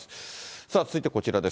さあ、続いてこちらです。